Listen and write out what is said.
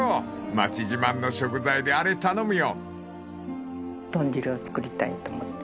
町自慢の食材であれ頼むよ］